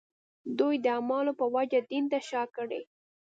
دوی د اعمالو په وجه دین ته شا کړي.